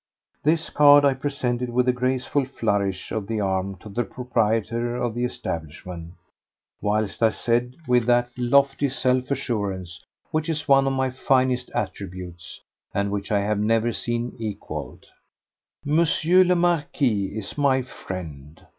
This card I presented with a graceful flourish of the arm to the proprietor of the establishment, whilst I said with that lofty self assurance which is one of my finest attributes and which I have never seen equalled: "M. le Marquis is my friend.